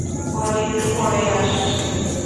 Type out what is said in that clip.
ওরা একটু পরেই আসছে।